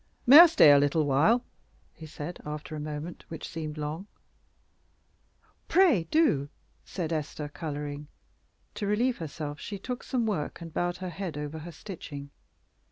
"May I stay here a little while?" he said, after a moment, which seemed long. "Pray do," said Esther, coloring. To relieve herself she took some work and bowed her head over her stitching.